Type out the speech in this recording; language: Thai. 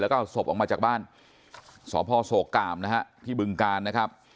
แล้วก็เอาศพออกมาจากบ้านสพโศกกามนะฮะที่บึงกาลนะครับ